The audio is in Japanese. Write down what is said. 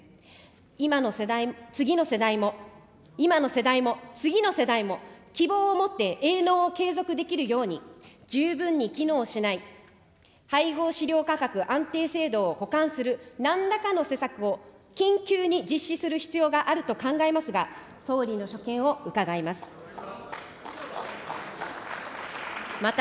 今の世代、次の世代も、今の世代も、次の世代も、希望を持って営農を継続できるように、十分に機能しない、配合飼料価格安定制度を補完する、なんらかの施策を緊急に実施する必要があると考えますが、総理の所見を伺います。